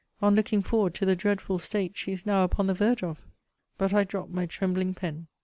on looking forward to the dreadful state she is now upon the verge of! But I drop my trembling pen.